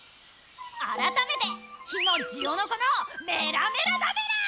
あらためて火のジオノコのメラメラだメラ！